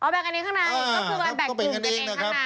แบ่งอันนี้ข้างในก็คือวันแบ่งกลุ่มกันเองข้างใน